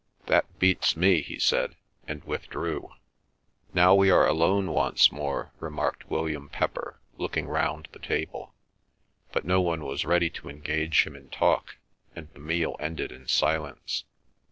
"That beats me," he said, and withdrew. "Now we are alone once more," remarked William Pepper, looking round the table; but no one was ready to engage him in talk, and the meal ended in silence.